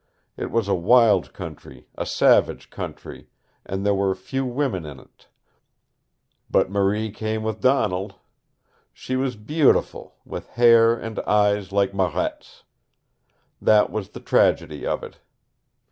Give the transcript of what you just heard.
It was a wild country, a savage country, and there were few women in it, but Marie came with Donald. She was beautiful, with hair and eyes like Marette's. That was the tragedy of it.